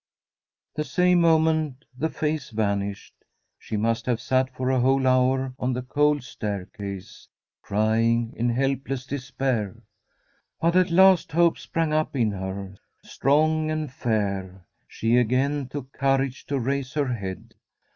The same moment the face vanished. She must have sat for a whole hour on the cold stair case, crying in helpless despair. But at last hope sprang up in her, strong and fair. She again took courage to raise her head.